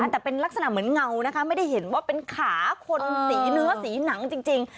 แต่เป็นลักษณะเหมือนเงานะคะไม่ได้เห็นว่าเป็นขาคนสีเนื้อสีหนังจริง